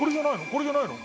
これじゃないの？